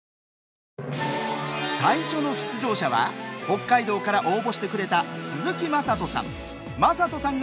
最初の出場者は北海道から応募してくれた鈴木将人さん。